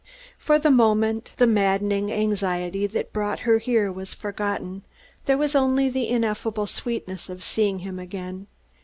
For the moment the maddening anxiety that brought her here was forgotten; there was only the ineffable sweetness of seeing him again.